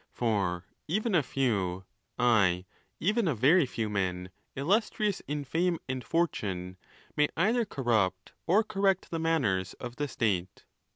For even a few, aye, even a very few men, illustrious in fame and fortune, may either corrupt or correct the manners of the state.